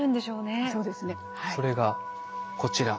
それがこちら。